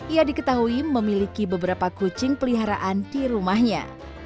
ia diketahui memiliki beberapa kucing peliharaan di rumahnya